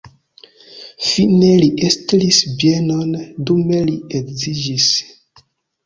Fine li estris bienon, dume li edziĝis.